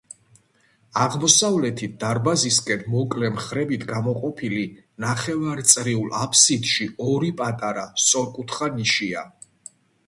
აღმოსავლეთით, დარბაზისგან მოკლე მხრებით გამოყოფილი ნახევარწრიულ აბსიდში, ორი პატარა, სწორკუთხა ნიშია.